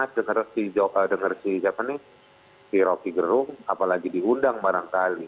tidak pernah seling saja pada panas dengar si rocky gerung apalagi diundang barangkali